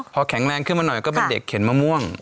พอแข็งแรงขึ้นมาหน่อยก็เป็นเด็กเข็นมะม่วง